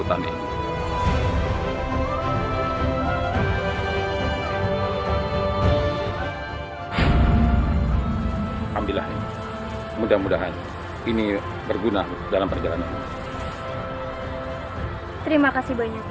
terima kasih banyak ki